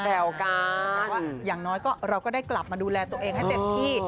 แต่ว่าอย่างน้อยเราก็ได้กลับมาดูแลตัวเองให้เต็มที่